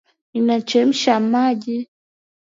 Ninachemsha maji.